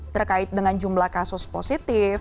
terkait dengan jumlah kasus positif